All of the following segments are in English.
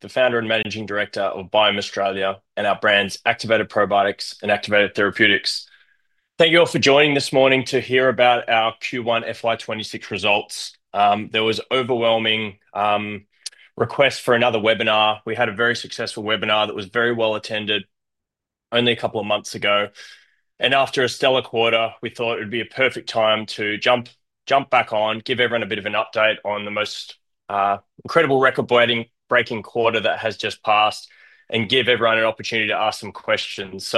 The Founder and Managing Director of Biome Australia and our brands, Activated Probiotics and Activated Therapeutics. Thank you all for joining this morning to hear about our Q1 FY 2026 results. There was an overwhelming request for another webinar. We had a very successful webinar that was very well attended only a couple of months ago. After a stellar quarter, we thought it would be a perfect time to jump back on, give everyone a bit of an update on the most incredible record-breaking quarter that has just passed, and give everyone an opportunity to ask some questions.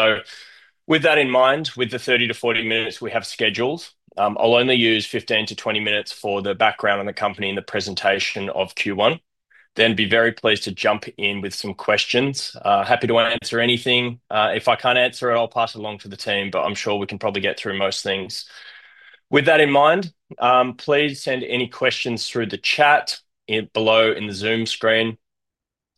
With that in mind, with the 30-40 minutes we have scheduled, I'll only use 15-20 minutes for the background on the company and the presentation of Q1. I'd be very pleased to jump in with some questions. Happy to answer anything. If I can't answer it, I'll pass it along to the team, but I'm sure we can probably get through most things. With that in mind, please send any questions through the chat below in the Zoom screen.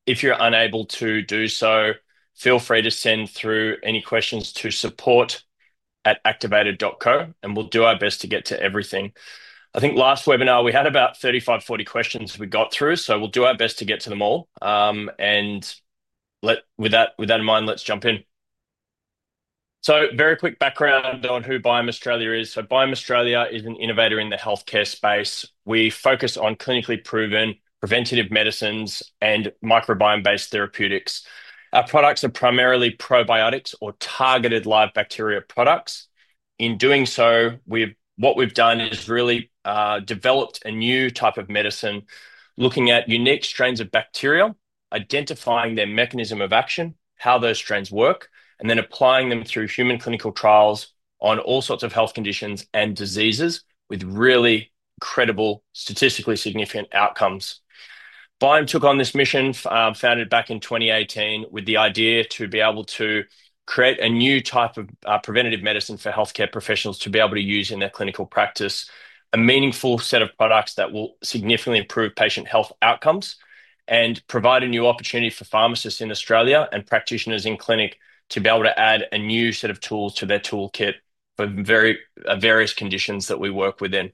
If you're unable to do so, feel free to send through any questions to support@activated.co, and we'll do our best to get to everything. I think last webinar we had about 35-40 questions we got through, so we'll do our best to get to them all. With that in mind, let's jump in. Very quick background on who Biome Australia is. Biome Australia is an innovator in the healthcare space. We focus on clinically proven preventative medicines and microbiome-based therapeutics. Our products are primarily probiotics or targeted live bacteria products. In doing so, what we've done is really developed a new type of medicine, looking at unique strains of bacteria, identifying their mechanism of action, how those strains work, and then applying them through human clinical trials on all sorts of health conditions and diseases with really credible, statistically significant outcomes. Biome took on this mission, founded back in 2018, with the idea to be able to create a new type of preventative medicine for healthcare professionals to be able to use in their clinical practice. A meaningful set of products that will significantly improve patient health outcomes and provide a new opportunity for pharmacists in Australia and practitioners in clinic to be able to add a new set of tools to their toolkit for various conditions that we work within.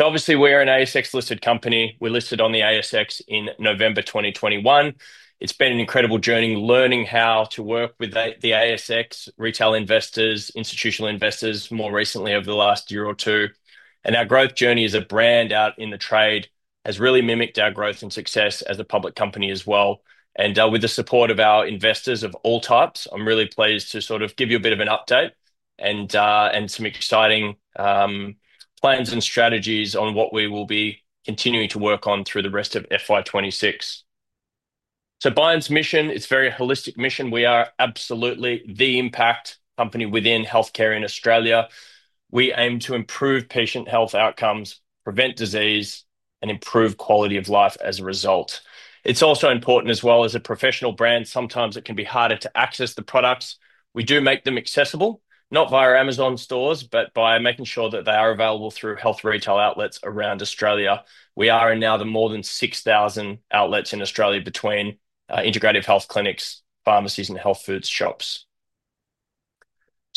Obviously, we are an ASX-listed company. We listed on the ASX in November 2021. It's been an incredible journey learning how to work with the ASX, retail investors, institutional investors, more recently over the last year or two. Our growth journey as a brand out in the trade has really mimicked our growth and success as a public company as well. With the support of our investors of all types, I'm really pleased to sort of give you a bit of an update and some exciting plans and strategies on what we will be continuing to work on through the rest of FY 2026. Biome's mission is a very holistic mission. We are absolutely the impact company within healthcare in Australia. We aim to improve patient health outcomes, prevent disease, and improve quality of life as a result. It's also important, as well, as a professional brand, sometimes it can be harder to access the products. We do make them accessible, not via Amazon stores, but by making sure that they are available through health retail outlets around Australia. We are in now more than 6,000 outlets in Australia between integrative health clinics, pharmacies, and health food shops.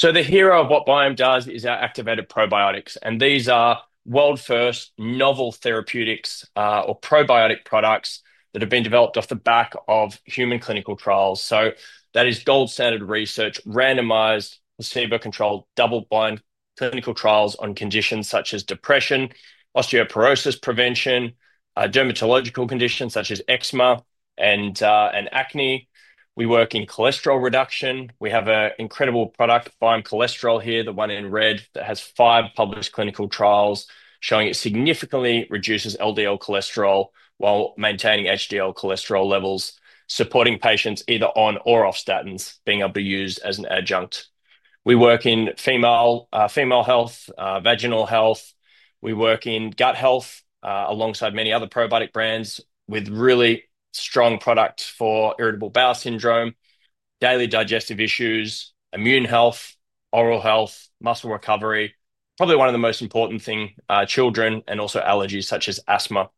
The hero of what Biome Australia does is our Activated Probiotics, and these are world-first novel therapeutics or probiotic products that have been developed off the back of human clinical trials. That is gold standard research, randomized, placebo-controlled, double-blind clinical trials on conditions such as depression, osteoporosis prevention, dermatological conditions such as eczema and acne. We work in cholesterol reduction. We have an incredible product, Biome Cholesterol Probiotic here, the one in red, that has five published clinical trials showing it significantly reduces LDL cholesterol while maintaining HDL cholesterol levels, supporting patients either on or off statins, being able to use as an adjunct. We work in female health, vaginal health. We work in gut health alongside many other probiotic brands with really strong products for irritable bowel syndrome, daily digestive issues, immune health, oral health, muscle recovery, probably one of the most important things, children, and also allergies such as asthma.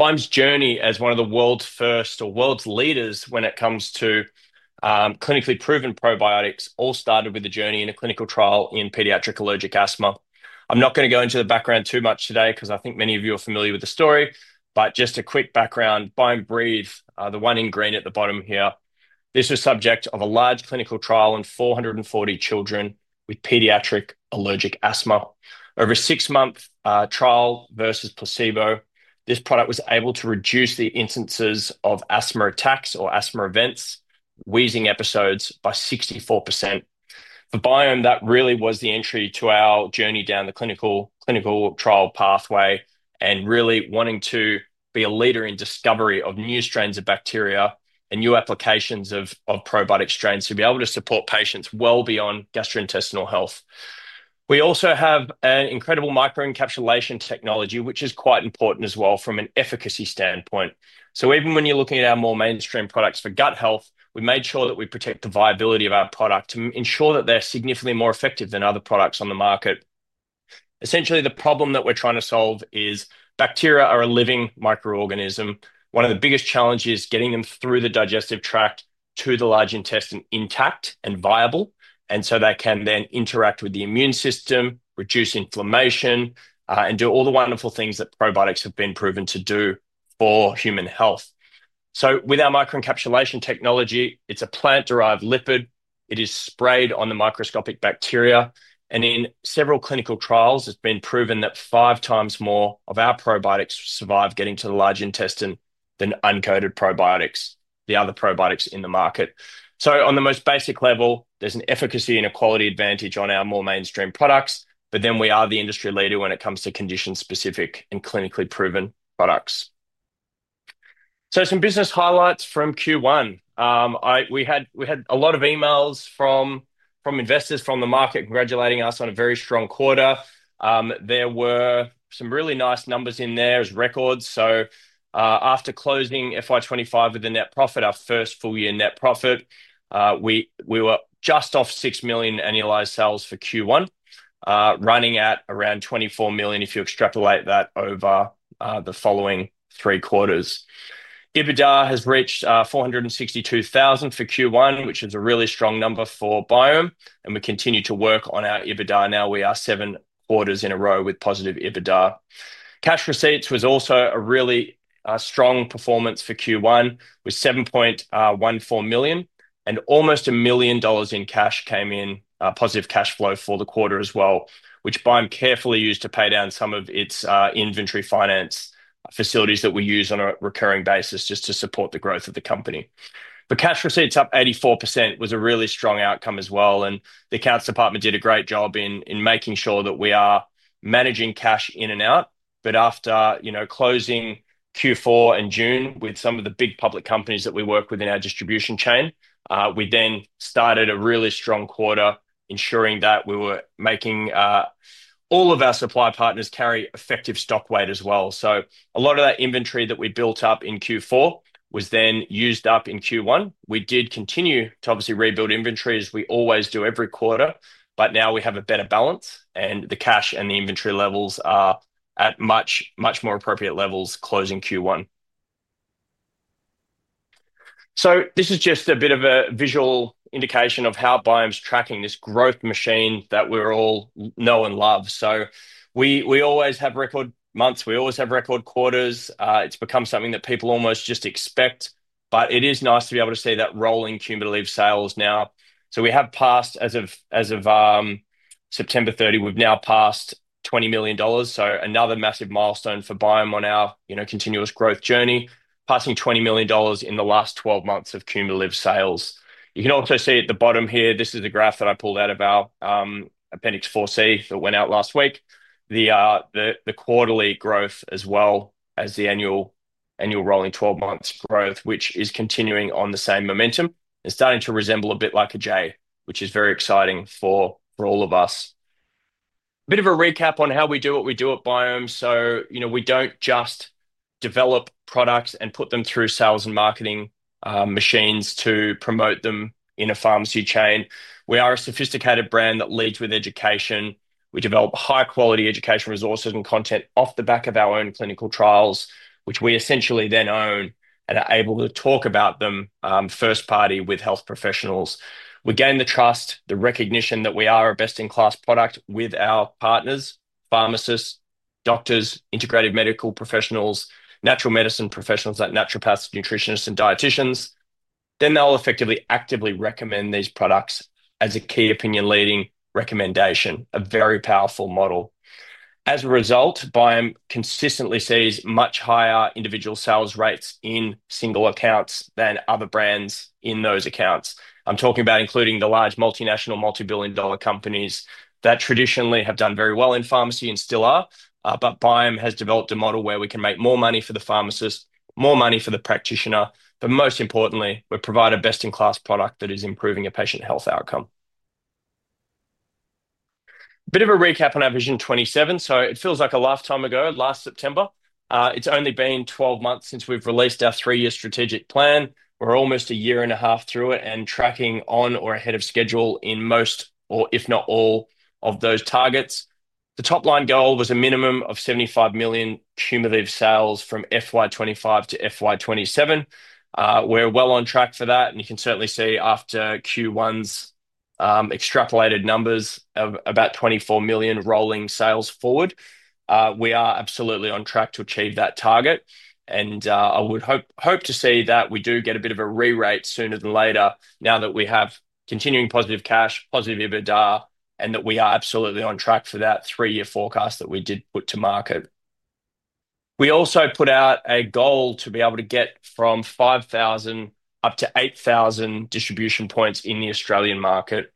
Biome Australia's journey as one of the world's first or world's leaders when it comes to clinically proven probiotics all started with a journey in a clinical trial in pediatric allergic asthma. I'm not going to go into the background too much today because I think many of you are familiar with the story, but just a quick background. Biome Breathe, the one in green at the bottom here, this was the subject of a large clinical trial on 440 children with pediatric allergic asthma. Over a six-month trial versus placebo, this product was able to reduce the instances of asthma attacks or asthma events, wheezing episodes by 64%. For Biome, that really was the entry to our journey down the clinical trial pathway and really wanting to be a leader in discovery of new strains of bacteria and new applications of probiotic strains to be able to support patients well beyond gastrointestinal health. We also have an incredible microencapsulation technology, which is quite important as well from an efficacy standpoint. Even when you're looking at our more mainstream products for gut health, we made sure that we protect the viability of our product to ensure that they're significantly more effective than other products on the market. Essentially, the problem that we're trying to solve is bacteria are a living microorganism. One of the biggest challenges is getting them through the digestive tract to the large intestine intact and viable, and so they can then interact with the immune system, reduce inflammation, and do all the wonderful things that probiotics have been proven to do for human health. With our microencapsulation technology, it's a plant-derived lipid. It is sprayed on the microscopic bacteria, and in several clinical trials, it's been proven that 5x more of our probiotics survive getting to the large intestine than uncoated probiotics, the other probiotics in the market. On the most basic level, there's an efficacy and a quality advantage on our more mainstream products, but then we are the industry leader when it comes to condition-specific and clinically proven products. Some business highlights from Q1. We had a lot of emails from investors from the market congratulating us on a very strong quarter. There were some really nice numbers in there as records. After closing FY 2025 with a net profit, our first full year net profit, we were just off $6 million annualized sales for Q1, running at around $24 million if you extrapolate that over the following three quarters. EBITDA has reached $462,000 for Q1, which is a really strong number for Biome, and we continue to work on our EBITDA now. We are seven quarters in a row with positive EBITDA. Cash receipts was also a really strong performance for Q1 with $7.14 million, and almost $1 million in cash came in positive cash flow for the quarter as well, which Biome Australia carefully used to pay down some of its inventory finance facilities that we use on a recurring basis just to support the growth of the company. For cash receipts up 84% was a really strong outcome as well, and the accounts department did a great job in making sure that we are managing cash in and out. After closing Q4 in June with some of the big public companies that we work with in our distribution chain, we then started a really strong quarter ensuring that we were making all of our supply partners carry effective stock weight as well. A lot of that inventory that we built up in Q4 was then used up in Q1. We did continue to obviously rebuild inventory as we always do every quarter, but now we have a better balance, and the cash and the inventory levels are at much, much more appropriate levels closing Q1. This is just a bit of a visual indication of how Biome Australia's tracking this growth machine that we all know and love. We always have record months. We always have record quarters. It's become something that people almost just expect, but it is nice to be able to see that rolling cumulative sales now. We have passed as of September 30, we've now passed $20 million. Another massive milestone for Biome on our continuous growth journey, passing $20 million in the last 12 months of cumulative sales. You can also see at the bottom here, this is a graph that I pulled out of our Appendix 4C that went out last week, the quarterly growth as well as the annual rolling 12 months growth, which is continuing on the same momentum and starting to resemble a bit like a J, which is very exciting for all of us. A bit of a recap on how we do what we do at Biome. We don't just develop products and put them through sales and marketing machines to promote them in a pharmacy chain. We are a sophisticated brand that leads with education. We develop high-quality education resources and content off the back of our own clinical trials, which we essentially then own and are able to talk about them first party with health professionals. We gain the trust, the recognition that we are a best-in-class product with our partners, pharmacists, doctors, integrative medical professionals, natural medicine professionals, like naturopaths, nutritionists, and dietitians. They'll effectively actively recommend these products as a key opinion leading recommendation, a very powerful model. As a result, Biome consistently sees much higher individual sales rates in single accounts than other brands in those accounts. I'm talking about including the large multinational, multi-billion dollar companies that traditionally have done very well in pharmacy and still are, but Biome has developed a model where we can make more money for the pharmacist, more money for the practitioner, but most importantly, we provide a best-in-class product that is improving a patient health outcome. A bit of a recap on our Vision 27. It feels like a lifetime ago last September. It's only been 12 months since we've released our three-year strategic plan. We're almost a year and a half through it and tracking on or ahead of schedule in most, if not all, of those targets. The top line goal was a minimum of $75 million cumulative sales from FY 2025 to FY2027. We're well on track for that, and you can certainly see after Q1's extrapolated numbers of about $24 million rolling sales forward, we are absolutely on track to achieve that target. I would hope to see that we do get a bit of a re-rate sooner than later now that we have continuing positive cash, positive EBITDA, and that we are absolutely on track for that three-year forecast that we did put to market. We also put out a goal to be able to get from 5,000 up to 8,000 distribution points in the Australian market.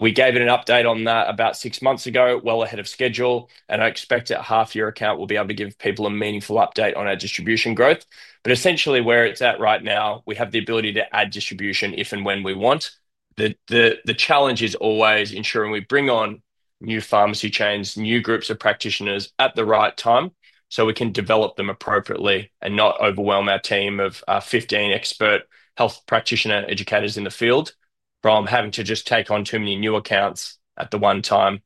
We gave an update on that about six months ago, well ahead of schedule, and I expect that half year account will be able to give people a meaningful update on our distribution growth. Essentially, where it's at right now, we have the ability to add distribution if and when we want. The challenge is always ensuring we bring on new pharmacy chains, new groups of practitioners at the right time so we can develop them appropriately and not overwhelm our team of 15 expert health practitioner educators in the field from having to just take on too many new accounts at the one time.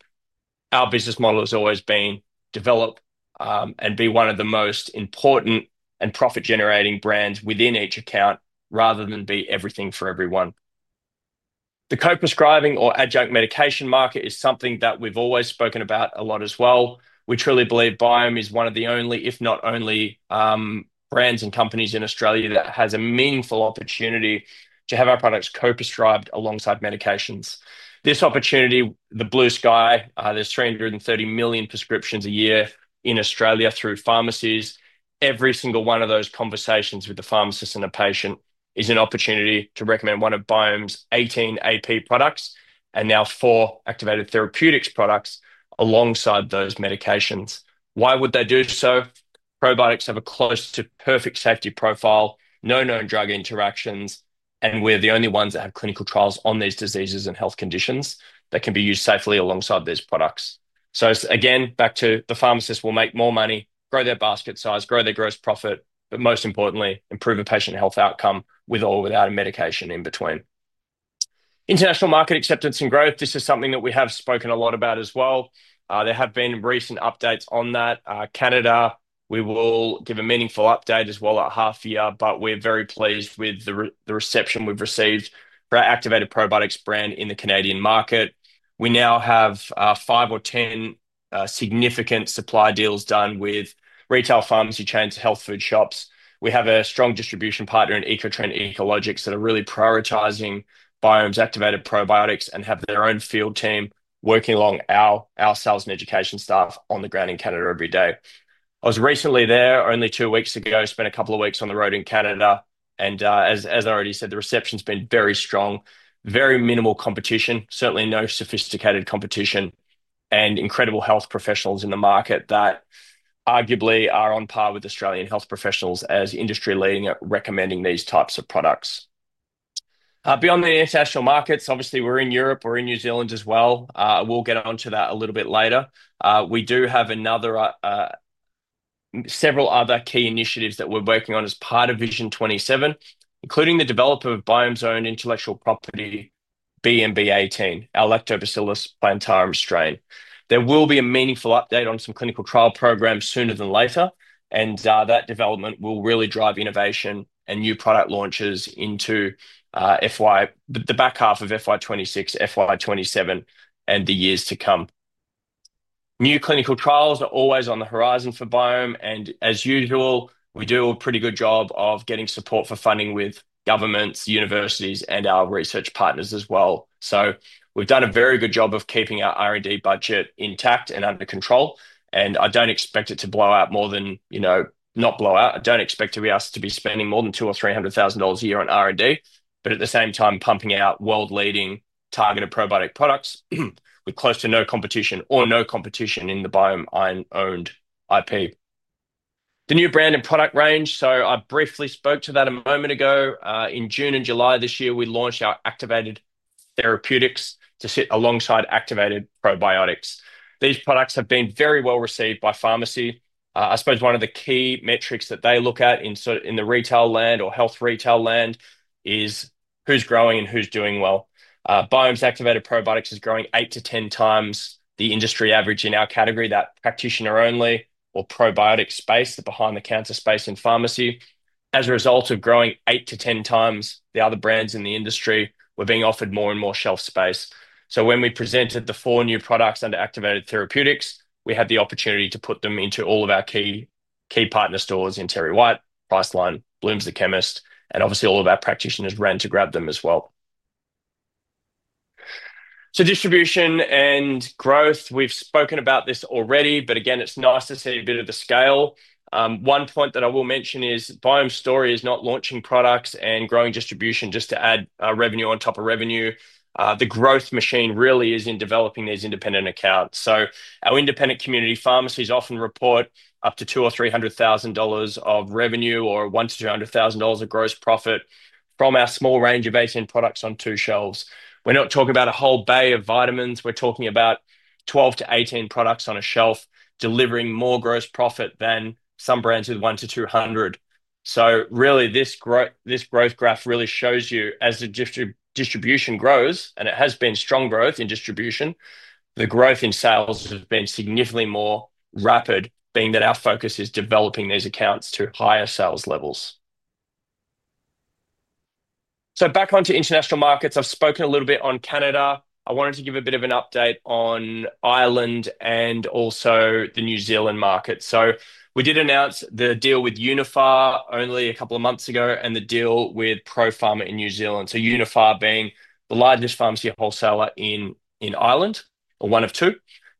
Our business model has always been develop and be one of the most important and profit-generating brands within each account rather than be everything for everyone. The co-prescribing or adjunct medication market is something that we've always spoken about a lot as well. We truly believe Biome is one of the only, if not only, brands and companies in Australia that has a meaningful opportunity to have our products co-prescribed alongside medications. This opportunity, the blue sky, there's 330 million prescriptions a year in Australia through pharmacies. Every single one of those conversations with the pharmacist and the patient is an opportunity to recommend one of Biome's 18 Activated Probiotics products and now four Activated Therapeutics products alongside those medications. Why would they do so? Probiotics have a close to perfect safety profile, no known drug interactions, and we're the only ones that have clinical trials on these diseases and health conditions that can be used safely alongside these products. Again, pharmacists will make more money, grow their basket size, grow their gross profit, but most importantly, improve a patient health outcome with or without a medication in between. International market acceptance and growth, this is something that we have spoken a lot about as well. There have been recent updates on that. Canada, we will give a meaningful update as well at half year, but we're very pleased with the reception we've received for our Activated Probiotics brand in the Canadian market. We now have five or 10 significant supply deals done with retail pharmacy chains, health food shops. We have a strong distribution partner in Ecotrend Ecologics that are really prioritizing Biome's Activated Probiotics and have their own field team working along our sales and education staff on the ground in Canada every day. I was recently there only two weeks ago, spent a couple of weeks on the road in Canada, and as I already said, the reception's been very strong, very minimal competition, certainly no sophisticated competition, and incredible health professionals in the market that arguably are on par with Australian health professionals as industry leading at recommending these types of products. Beyond the international markets, obviously we're in Europe, we're in New Zealand as well. We'll get onto that a little bit later. We do have several other key initiatives that we're working on as part of Vision 27, including the development of Biome's own intellectual property, BMB18, our Lactobacillus plantarum strain. There will be a meaningful update on some clinical trial programs sooner than later, and that development will really drive innovation and new product launches into the back half of FY 2026, FY 2027, and the years to come. New clinical trials are always on the horizon for Biome, and as usual, we do a pretty good job of getting support for funding with governments, universities, and our research partners as well. We've done a very good job of keeping our R&D budget intact and under control. I don't expect it to blow out. I don't expect to be asked to be spending more than $200,000 or $300,000 a year on R&D, but at the same time, pumping out world-leading targeted probiotic products with close to no competition or no competition in the Biome Australia owned IP. The new brand and product range, I briefly spoke to that a moment ago. In June and July this year, we launched our Activated Therapeutics to sit alongside Activated Probiotics. These products have been very well received by pharmacy. I suppose one of the key metrics that they look at in the retail land or health retail land is who's growing and who's doing well. Biome Australia's Activated Probiotics is growing 8x-10x the industry average in our category, that practitioner-only or probiotic space, the behind-the-counter space in pharmacy. As a result of grow8x-10x the other brands in the industry, we're being offered more and more shelf space. When we presented the four new products under Activated Therapeutics, we had the opportunity to put them into all of our key partner stores in TerryWhite, Priceline, Blooms The Chemist, and obviously all of our practitioners ran to grab them as well. Distribution and growth, we've spoken about this already, but again, it's nice to see a bit of the scale. One point that I will mention is Biome Australia's story is not launching products and growing distribution just to add revenue on top of revenue. The growth machine really is in developing these independent accounts. Our independent community pharmacies often report up to $200,000 or $300,000 of revenue or $100,000-$200,000 of gross profit from our small range of 18 products on two shelves. We're not talking about a whole bay of vitamins. We're talking about 12-18 products on a shelf delivering more gross profit than some brands with $100,000-$200,000. This growth graph really shows you as the distribution grows, and it has been strong growth in distribution, the growth in sales has been significantly more rapid, being that our focus is developing these accounts to higher sales levels. Back onto international markets, I've spoken a little bit on Canada. I wanted to give a bit of an update on Ireland and also the New Zealand market. We did announce the deal with Uniphar only a couple of months ago and the deal with ProPharma in New Zealand. Uniphar being the largest pharmacy wholesaler in Ireland, or one of two,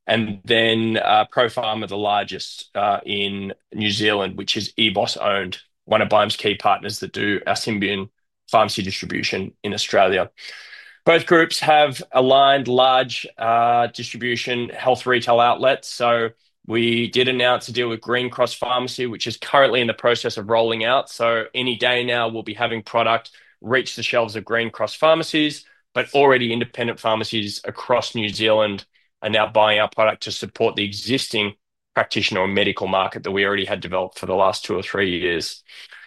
and then ProPharma the largest in New Zealand, which is EBOS owned, one of Biome Australia's key partners that do our Symbion pharmacy distribution in Australia. Both groups have aligned large distribution health retail outlets. We did announce a deal with Green Cross Pharmacy, which is currently in the process of rolling out. Any day now we'll be having product reach the shelves of Green Cross Pharmacies, but already independent pharmacies across New Zealand are now buying our product to support the existing practitioner or medical market that we already had developed for the last two or three years.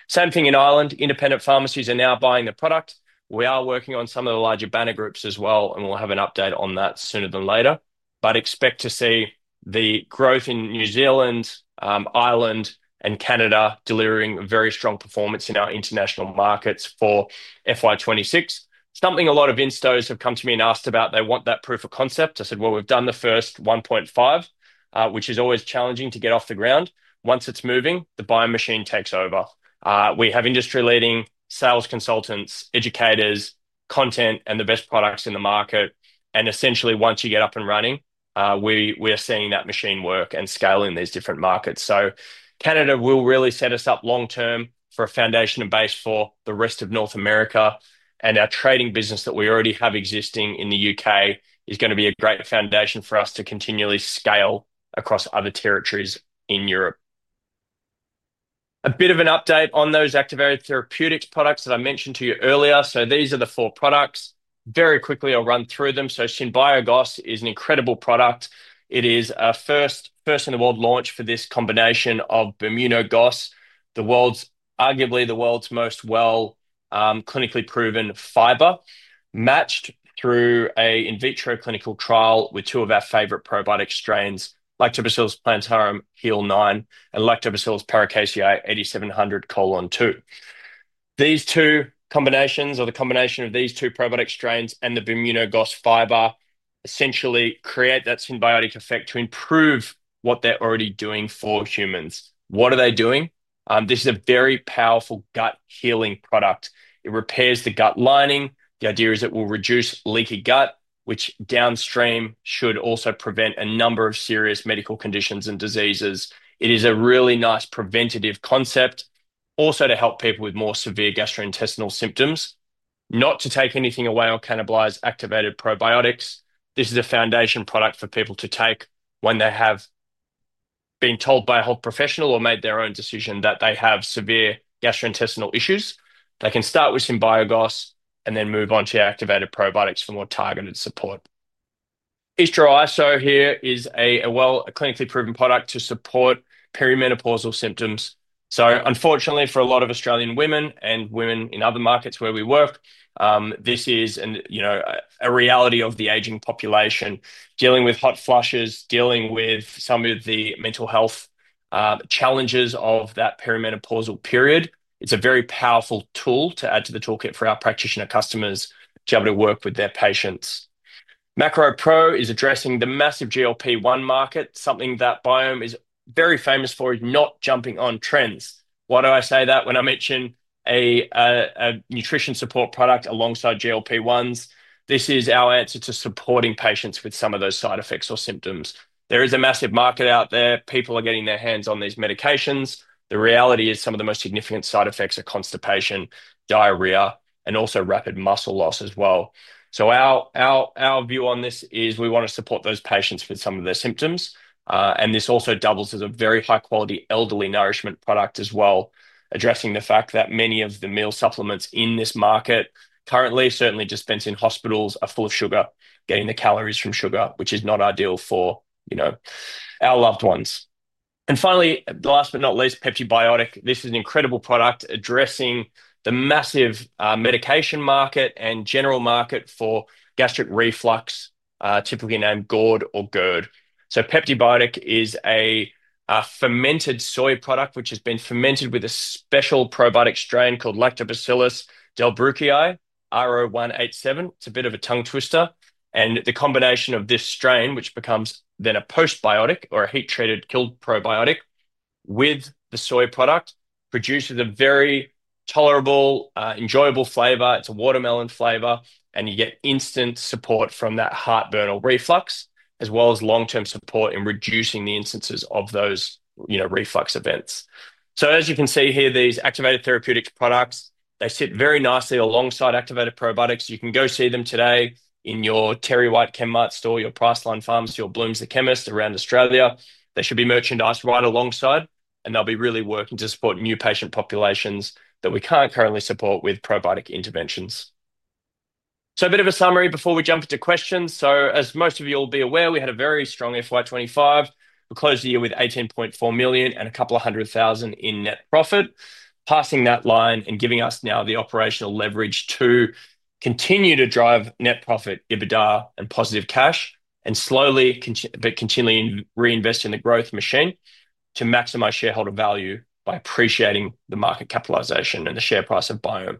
Same thing in Ireland, independent pharmacies are now buying the product. We are working on some of the larger banner groups as well, and we'll have an update on that sooner than later. Expect to see the growth in New Zealand, Ireland, and Canada delivering very strong performance in our international markets for FY 2026. Something a lot of Instos have come to me and asked about, they want that proof of concept. I said, we've done the first $1.5 million, which is always challenging to get off the ground. Once it's moving, the buying machine takes over. We have industry-leading sales consultants, educators, content, and the best products in the market. Essentially, once you get up and running, we are seeing that machine work and scale in these different markets. Canada will really set us up long-term for a foundation and base for the rest of North America, and our trading business that we already have existing in the U.K. is going to be a great foundation for us to continually scale across other territories in Europe. A bit of an update on those Activated Therapeutics products that I mentioned to you earlier. These are the four products. Very quickly, I'll run through them. SymbioGos is an incredible product. It is a first in the world launch for this combination of Bimuno GOS, arguably the world's most well clinically proven fiber, matched through an in vitro clinical trial with two of our favorite probiotic strains, Lactobacillus plantarum and Lactobacillus paracasei 8700:2. These two combinations, or the combination of these two probiotic strains and the Bimuno GOS fiber, essentially create that symbiotic effect to improve what they're already doing for humans. What are they doing? This is a very powerful gut healing product. It repairs the gut lining. The idea is it will reduce leaky gut, which downstream should also prevent a number of serious medical conditions and diseases. It is a really nice preventative concept, also to help people with more severe gastrointestinal symptoms, not to take anything away or cannibalize Activated Probiotics. This is a foundation product for people to take when they have been told by a health professional or made their own decision that they have severe gastrointestinal issues. They can start with SymbioGOS and then move on to your Activated Probiotics for more targeted support. EstroIso here is a well clinically proven product to support perimenopausal symptoms. Unfortunately, for a lot of Australian women and women in other markets where we work, this is a reality of the aging population, dealing with hot flushes, dealing with some of the mental health challenges of that perimenopausal period. It's a very powerful tool to add to the toolkit for our practitioner customers to be able to work with their patients. Macro-Pro is addressing the massive GLP-1 market. Something that Biome is very famous for is not jumping on trends. Why do I say that? When I mention a nutrition support product alongside GLP-1s, this is our answer to supporting patients with some of those side effects or symptoms. There is a massive market out there. People are getting their hands on these medications. The reality is some of the most significant side effects are constipation, diarrhea, and also rapid muscle loss as well. Our view on this is we want to support those patients with some of their symptoms, and this also doubles as a very high-quality elderly nourishment product as well, addressing the fact that many of the meal supplements in this market currently, certainly dispensed in hospitals, are full of sugar, getting the calories from sugar, which is not ideal for, you know, our loved ones. Finally, last but not least, Peptibiotic. This is an incredible product addressing the massive medication market and general market for gastric reflux, typically named GORD or GERD. Peptibiotic is a fermented soy product, which has been fermented with a special probiotic strain called Lactobacillus delbrueckii RO187. It's a bit of a tongue twister, and the combination of this strain, which becomes then a postbiotic or a heat-treated killed probiotic with the soy product, produces a very tolerable, enjoyable flavor. It's a watermelon flavor, and you get instant support from that heartburn or reflux, as well as long-term support in reducing the instances of those reflux events. As you can see here, these Activated Therapeutics products sit very nicely alongside Activated Probiotics. You can go see them today in your Terry White Chemmart store, your Priceline pharmacy, or Blooms The Chemist around Australia. They should be merchandised right alongside, and they'll be really working to support new patient populations that we can't currently support with probiotic interventions. A bit of a summary before we jump into questions. As most of you will be aware, we had a very strong FY 2025. We closed the year with $18.4 million and a couple 100,00 in net profit, passing that line and giving us now the operational leverage to continue to drive net profit, EBITDA, and positive cash, and slowly but continually reinvest in the growth machine to maximize shareholder value by appreciating the market capitalization and the share price of Biome Australia.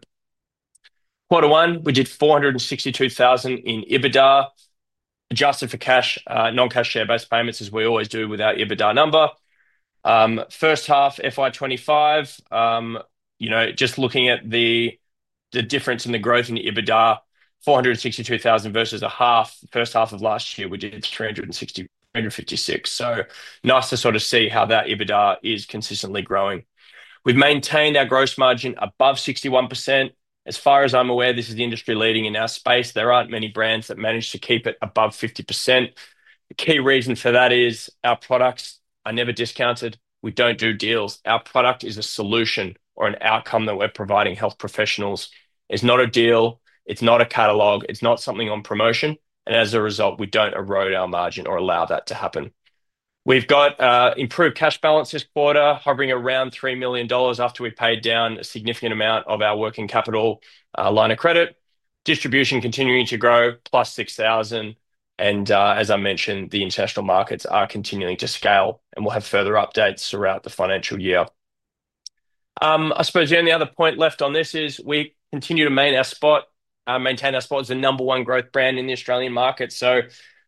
Quarter one, we did $462,000 in EBITDA, adjusted for cash, non-cash share-based payments as we always do with our EBITDA number. First half, FY 2025, just looking at the difference in the growth in the EBITDA, $462,000 versus a half, the first half of last year, we did $366,000. Nice to sort of see how that EBITDA is consistently growing. We've maintained our gross margin above 61%. As far as I'm aware, this is the industry leading in our space. There aren't many brands that manage to keep it above 50%. The key reason for that is our products are never discounted. We don't do deals. Our product is a solution or an outcome that we're providing health professionals. It's not a deal. It's not a catalog. It's not something on promotion. As a result, we don't erode our margin or allow that to happen. We've got improved cash balance this quarter, hovering around $3 million after we paid down a significant amount of our working capital line of credit. Distribution continuing to grow, +$6,000. As I mentioned, the international markets are continuing to scale, and we'll have further updates throughout the financial year. I suppose the only other point left on this is we continue to maintain our spot as the number one growth brand in the Australian market.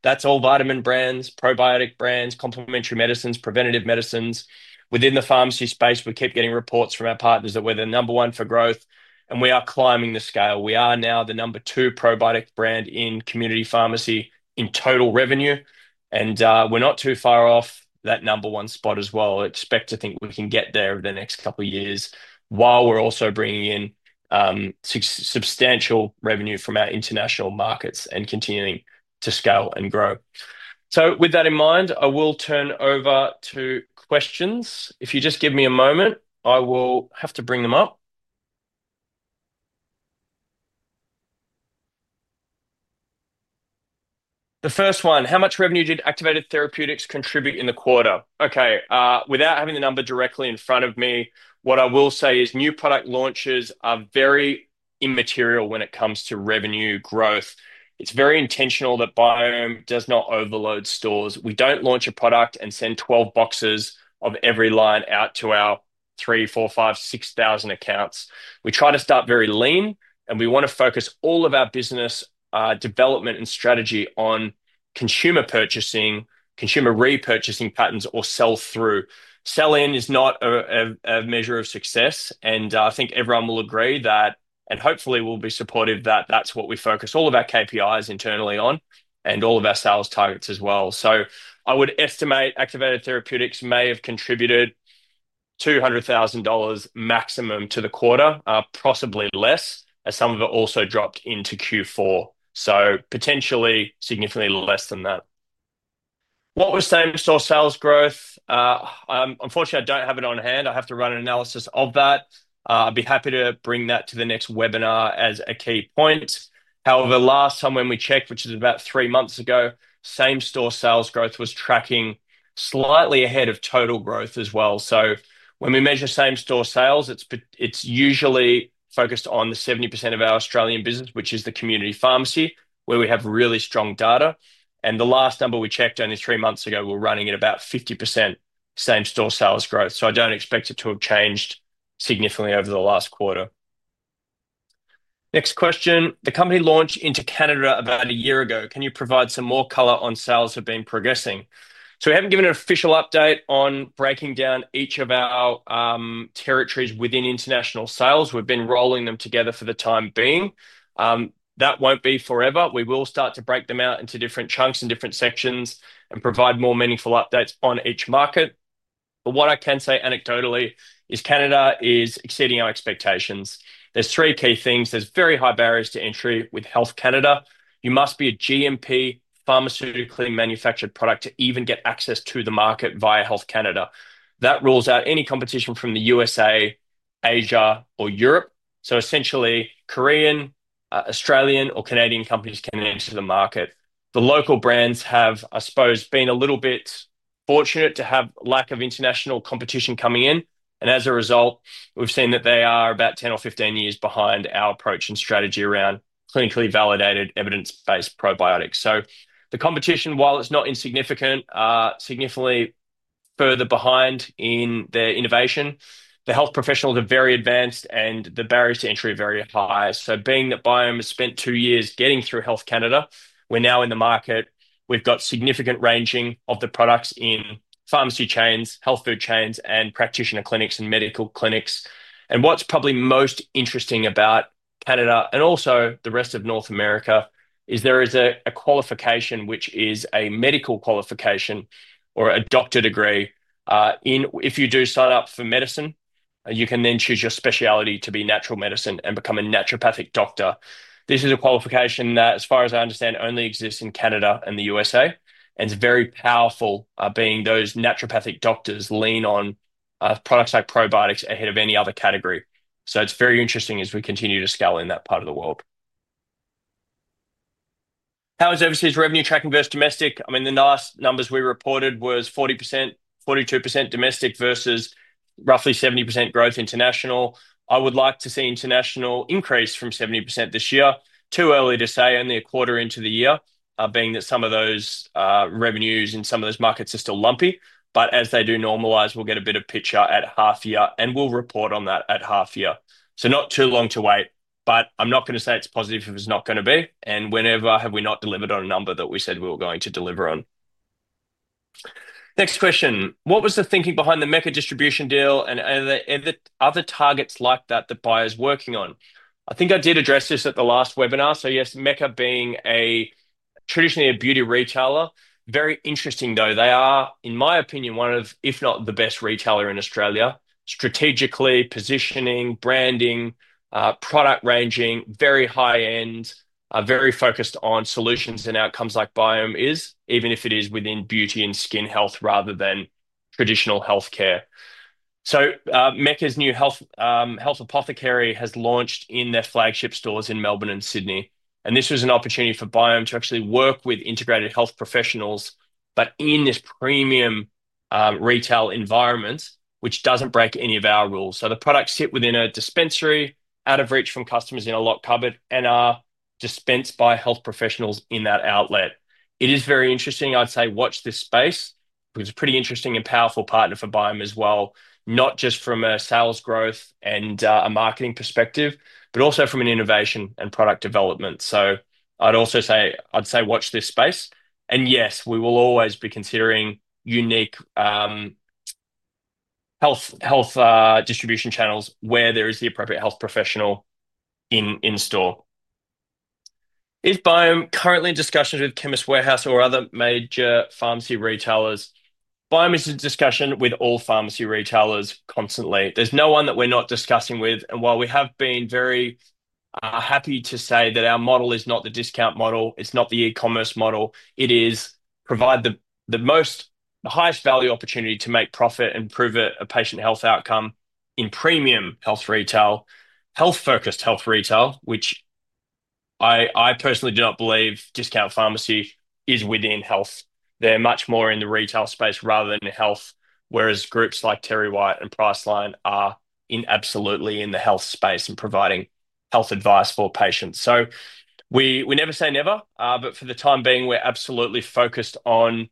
That's all vitamin brands, probiotic brands, complementary medicines, preventative medicines. Within the pharmacy space, we keep getting reports from our partners that we're the number one for growth, and we are climbing the scale. We are now the number two probiotic brand in community pharmacy in total revenue, and we're not too far off that number one spot as well. I expect to think we can get there over the next couple of years while we're also bringing in substantial revenue from our international markets and continuing to scale and grow. With that in mind, I will turn over to questions. If you just give me a moment, I will have to bring them up. The first one, how much revenue did Activated Therapeutics contribute in the quarter? Without having the number directly in front of me, what I will say is new product launches are very immaterial when it comes to revenue growth. It's very intentional that Biome Australia does not overload stores. We don't launch a product and send 12 boxes of every line out to our 3,000, 4,000, 5,000, 6,000 accounts. We try to start very lean, and we want to focus all of our business development and strategy on consumer purchasing, consumer repurchasing patterns, or sell-through. Sell-in is not a measure of success, and I think everyone will agree that, and hopefully will be supportive, that that's what we focus all of our KPIs internally on and all of our sales targets as well. I would estimate Activated Therapeutics may have contributed $200,000 maximum to the quarter, possibly less, as some of it also dropped into Q4. Potentially significantly less than that. What was same-store sales growth? Unfortunately, I don't have it on hand. I have to run an analysis of that. I'd be happy to bring that to the next webinar as a key point. However, last time when we checked, which was about three months ago, same-store sales growth was tracking slightly ahead of total growth as well. When we measure same-store sales, it's usually focused on the 70% of our Australian business, which is the community pharmacy, where we have really strong data. The last number we checked only three months ago, we're running at about 50% same-store sales growth. I don't expect it to have changed significantly over the last quarter. Next question, the company launched into Canada about a year ago. Can you provide some more color on how sales have been progressing? We haven't given an official update on breaking down each of our territories within international sales. We've been rolling them together for the time being. That won't be forever. We will start to break them out into different chunks and different sections and provide more meaningful updates on each market. What I can say anecdotally is Canada is exceeding our expectations. There are three key things. There are very high barriers to entry with Health Canada. You must be a GMP, pharmaceutically manufactured product to even get access to the market via Health Canada. That rules out any competition from the U.S.A, Asia, or Europe. Essentially, Korean, Australian, or Canadian companies can enter the market. The local brands have, I suppose, been a little bit fortunate to have a lack of international competition coming in. As a result, we've seen that they are about 10 or 15 years behind our approach and strategy around clinically validated evidence-based probiotics. The competition, while it's not insignificant, is significantly further behind in their innovation. The health professionals are very advanced, and the barriers to entry are very high. Being that Biome Australia has spent two years getting through Health Canada, we're now in the market. We've got significant ranging of the products in pharmacy chains, health food chains, and practitioner clinics and medical clinics. What's probably most interesting about Canada and also the rest of North America is there is a qualification which is a medical qualification or a doctor degree. If you do sign up for medicine, you can then choose your specialty to be natural medicine and become a naturopathic doctor. This is a qualification that, as far as I understand, only exists in Canada and the U.S.A. It's very powerful, being those naturopathic doctors lean on products like probiotics ahead of any other category. It's very interesting as we continue to scale in that part of the world. How is overseas revenue tracking versus domestic? I mean, the last numbers we reported were 40%, 42% domestic versus roughly 70% growth international. I would like to see international increase from 70% this year. Too early to say, only a quarter into the year, being that some of those revenues in some of those markets are still lumpy. As they do normalize, we'll get a bit of a picture at half year and we'll report on that at half year. Not too long to wait, but I'm not going to say it's positive if it's not going to be. Whenever have we not delivered on a number that we said we were going to deliver on? Next question, what was the thinking behind the Mecca distribution deal and are there other targets like that that the buyer's working on? I think I did address this at the last webinar. Yes, Mecca being traditionally a beauty retailer, very interesting though. They are, in my opinion, one of, if not the best retailer in Australia, strategically positioning, branding, product ranging, very high-end, very focused on solutions and outcomes like Biome is, even if it is within beauty and skin health rather than traditional health care. Mecca's new health apothecary has launched in their flagship stores in Melbourne and Sydney. This was an opportunity for Biome to actually work with integrated health professionals, but in this premium retail environment, which doesn't break any of our rules. The products sit within a dispensary, out of reach from customers in a locked cupboard, and are dispensed by health professionals in that outlet. It is very interesting. I'd say watch this space because it's a pretty interesting and powerful partner for Biome as well, not just from a sales growth and a marketing perspective, but also from an innovation and product development. I'd also say, I'd say watch this space. Yes, we will always be considering unique health distribution channels where there is the appropriate health professional in store. Is Biome currently in discussions with Chemist Warehouse or other major pharmacy retailers? Biome is in discussion with all pharmacy retailers constantly. There's no one that we're not discussing with. While we have been very happy to say that our model is not the discount model, it's not the e-commerce model, it is providing the most, the highest value opportunity to make profit and prove a patient health outcome in premium health retail, health-focused health retail, which I personally do not believe discount pharmacy is within health. They're much more in the retail space rather than health, whereas groups like TerryWhite and Priceline are absolutely in the health space and providing health advice for patients. We never say never, but for the time being, we're absolutely focused on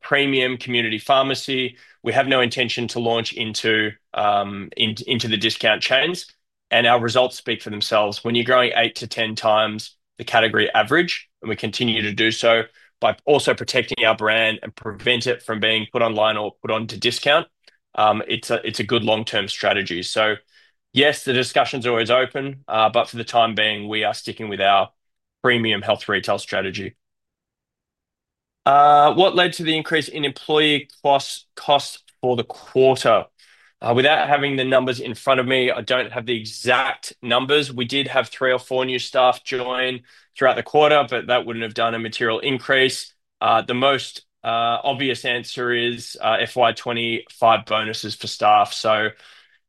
premium community pharmacy. We have no intention to launch into the discount chains, and our results speak for themselves. When you're growing 8x-10x the category average, and we continue to do so by also protecting our brand and prevent it from being put online or put onto discount, it's a good long-term strategy. Yes, the discussion's always open, but for the time being, we are sticking with our premium health retail strategy. What led to the increase in employee costs for the quarter? Without having the numbers in front of me, I don't have the exact numbers. We did have three or four new staff join throughout the quarter, but that wouldn't have done a material increase. The most obvious answer is FY 2025 bonuses for staff.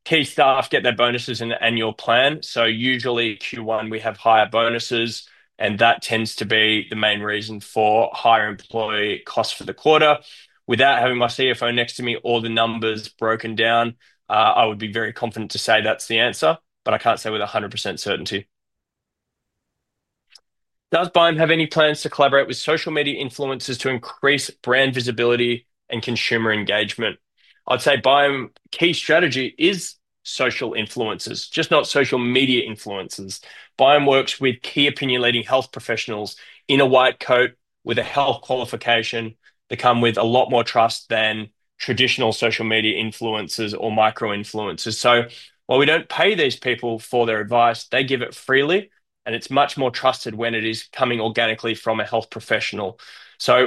Key staff get their bonuses in the annual plan. Usually Q1, we have higher bonuses, and that tends to be the main reason for higher employee costs for the quarter. Without having my CFO next to me or the numbers broken down, I would be very confident to say that's the answer, but I can't say with 100% certainty. Does Biome have any plans to collaborate with social media influencers to increase brand visibility and consumer engagement? I'd say Biome key strategy is social influencers, just not social media influencers. Biome works with key opinion-leading health professionals in a white coat with a health qualification that come with a lot more trust than traditional social media influencers or micro-influencers. While we don't pay these people for their advice, they give it freely, and it's much more trusted when it is coming organically from a health professional.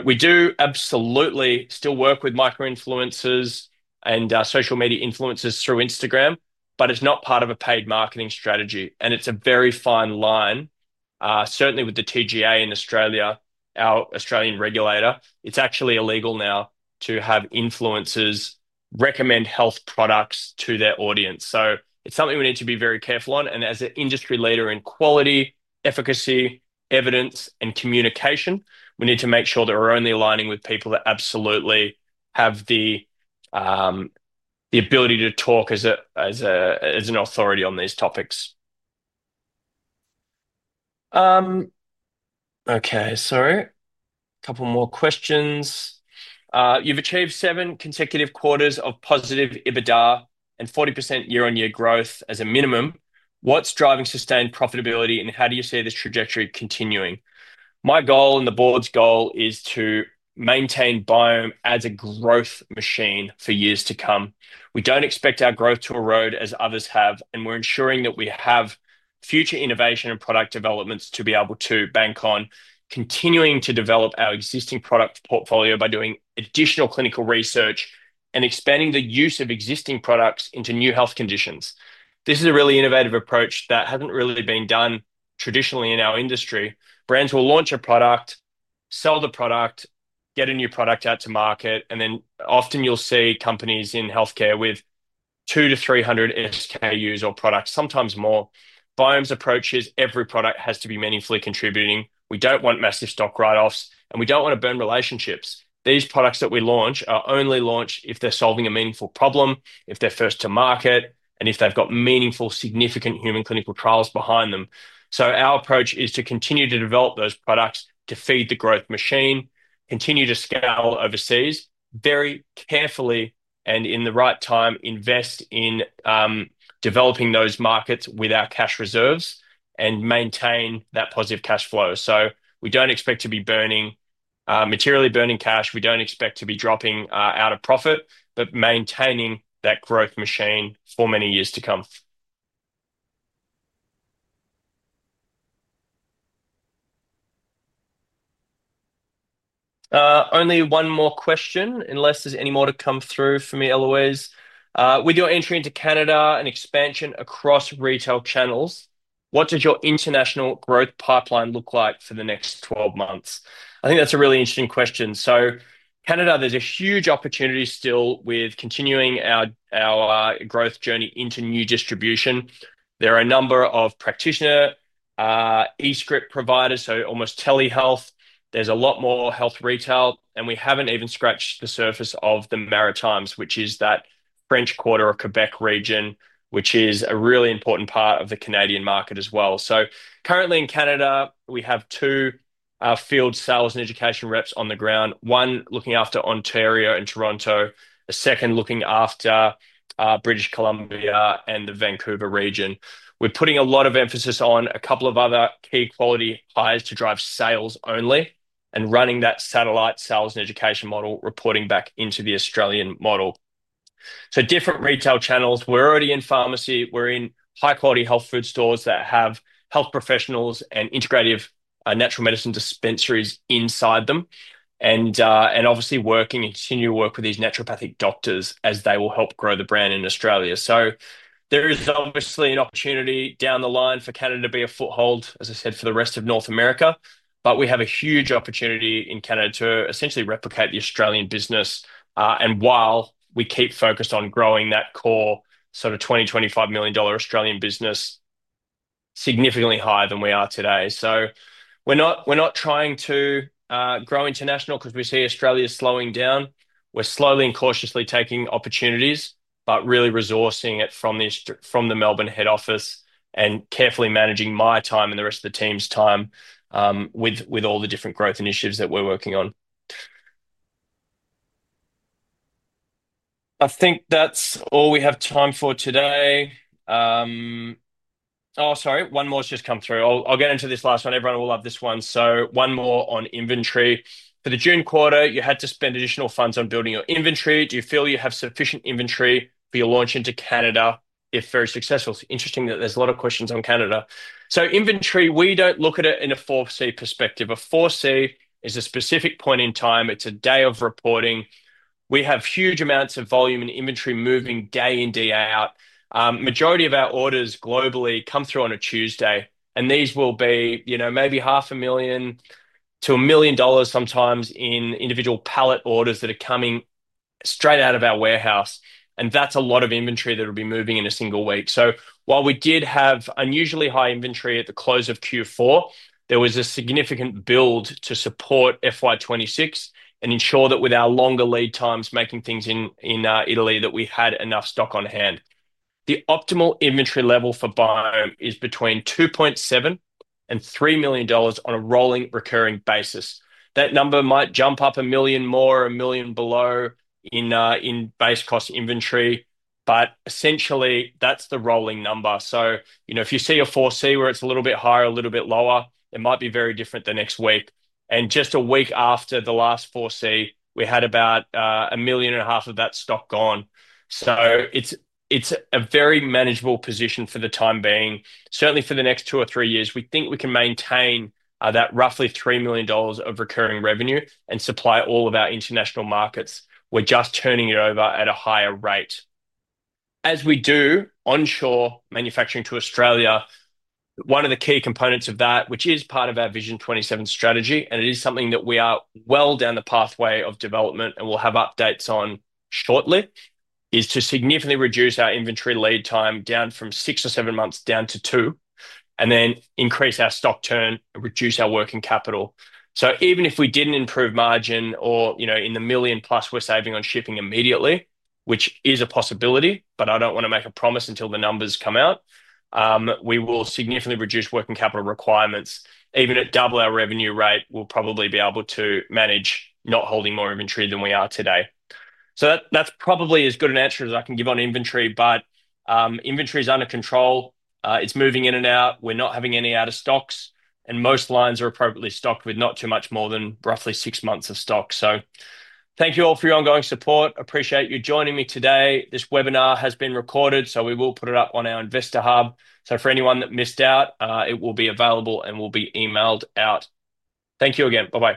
We do absolutely still work with micro-influencers and social media influencers through Instagram, but it's not part of a paid marketing strategy, and it's a very fine line. Certainly, with the TGA in Australia, our Australian regulator, it's actually illegal now to have influencers recommend health products to their audience. It's something we need to be very careful on. As an industry leader in quality, efficacy, evidence, and communication, we need to make sure that we're only aligning with people that absolutely have the ability to talk as an authority on these topics. Okay, a couple more questions. You've achieved seven consecutive quarters of positive EBITDA and 40% year-on-year growth as a minimum. What's driving sustained profitability, and how do you see this trajectory continuing? My goal and the board's goal is to maintain Bio as a growth machine for years to come. We don't expect our growth to erode as others have, and we're ensuring that we have future innovation and product developments to be able to bank on, continuing to develop our existing product portfolio by doing additional clinical research and expanding the use of existing products into new health conditions. This is a really innovative approach that hasn't really been done traditionally in our industry. Brands will launch a product, sell the product, get a new product out to market, and then often you'll see companies in healthcare with 200-300 SKUs or products, sometimes more. Biome's approach is every product has to be meaningfully contributing. We don't want massive stock write-offs, and we don't want to burn relationships. These products that we launch are only launched if they're solving a meaningful problem, if they're first to market, and if they've got meaningful, significant human clinical trials behind them. Our approach is to continue to develop those products to feed the growth machine, continue to scale overseas very carefully, and in the right time, invest in developing those markets with our cash reserves and maintain that positive cash flow. We don't expect to be materially burning cash. We don't expect to be dropping out of profit, but maintaining that growth machine for many years to come. Only one more question, unless there's any more to come through for me, Eloise. With your entry into Canada and expansion across retail channels, what does your international growth pipeline look like for the next 12 months? I think that's a really interesting question. Canada, there's a huge opportunity still with continuing our growth journey into new distribution. There are a number of practitioner e-script providers, so almost telehealth. There's a lot more health retail, and we haven't even scratched the surface of the Maritimes, which is that French quarter or Quebec region, which is a really important part of the Canadian market as well. Currently in Canada, we have two field sales and education reps on the ground, one looking after Ontario and Toronto, a second looking after British Columbia and the Vancouver region. We're putting a lot of emphasis on a couple of other key quality hires to drive sales only and running that satellite sales and education model reporting back into the Australian model. Different retail channels, we're already in pharmacy, we're in high-quality health food stores that have health professionals and integrative natural medicine dispensaries inside them, and obviously working and continue to work with these naturopathic doctors as they will help grow the brand in Australia. There is obviously an opportunity down the line for Canada to be a foothold, as I said, for the rest of North America, but we have a huge opportunity in Canada to essentially replicate the Australian business. While we keep focused on growing that core sort of $20 million, $25 million Australian business, significantly higher than we are today. We're not trying to grow international because we see Australia slowing down. We're slowly and cautiously taking opportunities, but really resourcing it from the Melbourne head office and carefully managing my time and the rest of the team's time with all the different growth initiatives that we're working on. I think that's all we have time for today. Oh, sorry, one more's just come through. I'll get into this last one. Everyone will love this one. One more on inventory. For the June quarter, you had to spend additional funds on building your inventory. Do you feel you have sufficient inventory for your launch into Canada if very successful? It's interesting that there's a lot of questions on Canada. Inventory, we don't look at it in a 4C perspective. A 4C is a specific point in time. It's a day of reporting. We have huge amounts of volume in inventory moving day in, day out. The majority of our orders globally come through on a Tuesday, and these will be, you know, maybe $0.5 million-$1 million sometimes in individual pallet orders that are coming straight out of our warehouse. That's a lot of inventory that will be moving in a single week. While we did have unusually high inventory at the close of Q4, there was a significant build to support FY 2026 and ensure that with our longer lead times making things in Italy, we had enough stock on hand. The optimal inventory level for Biome is between $2.7 million and $3 million on a rolling recurring basis. That number might jump up $1 million more or $1 million below in base cost inventory, but essentially that's the rolling number. If you see a 4C where it's a little bit higher or a little bit lower, it might be very different the next week. Just a week after the last 4C, we had about $1.5 million of that stock gone. It's a very manageable position for the time being. Certainly for the next two or three years, we think we can maintain that roughly $3 million of recurring revenue and supply all of our international markets. We're just turning it over at a higher rate. As we do onshore manufacturing to Australia, one of the key components of that, which is part of our Vision 27 strategy and is something that we are well down the pathway of development and will have updates on shortly, is to significantly reduce our inventory lead time down from six or seven months down to two, and then increase our stock turn and reduce our working capital. Even if we didn't improve margin or, you know, in the million plus we're saving on shipping immediately, which is a possibility, but I don't want to make a promise until the numbers come out, we will significantly reduce working capital requirements. Even at double our revenue rate, we'll probably be able to manage not holding more inventory than we are today. That's probably as good an answer as I can give on inventory, but inventory is under control. It's moving in and out. We're not having any out of stocks, and most lines are appropriately stocked with not too much more than roughly six months of stock. Thank you all for your ongoing support. Appreciate you joining me today. This webinar has been recorded, so we will put it up on our investor hub. For anyone that missed out, it will be available and will be emailed out. Thank you again. Bye-bye.